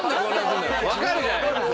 分かるじゃんよ。